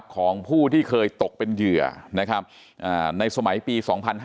ของผู้ที่เคยตกเป็นเหยื่อในสมัยปี๒๕๔๘